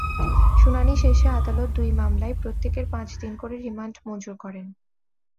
শুনানি শেষে আদালত দুই মামলায় প্রত্যেকের পাঁচ দিন করে রিমান্ড মঞ্জুর করেন।